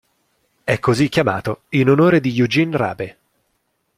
È così chiamato in onore di Eugene Rabe.